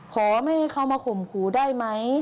ขอให้เขามาข่มขู่ได้ไหม